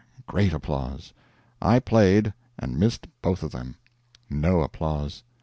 (Great applause.) I played, and missed both of them. (No applause.)